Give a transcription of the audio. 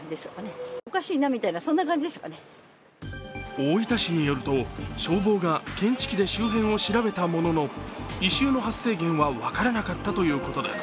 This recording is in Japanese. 大分市によると消防が検知器で周辺を調べたものの異臭の発生源は分からなかったということです。